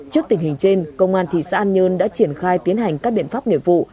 trước tình hình trên công an thị xã an nhơn đã triển khai tiến hành các biện pháp nghiệp vụ